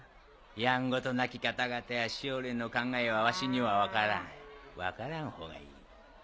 やんごとなき方々や師匠連の考えはわしには分からん分からんほうがいい。